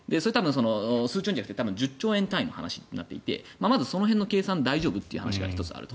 数兆円じゃなくて１０兆円単位の話になっていてまずその辺の計算大丈夫？という話があると。